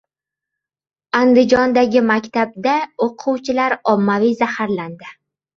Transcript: Andijondagi maktabda o‘quvchilar ommaviy zaharlandi